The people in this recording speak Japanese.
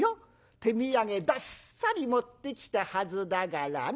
手土産どっさり持ってきたはずだからね。